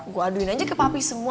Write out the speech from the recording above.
gue aduin aja ke papi semua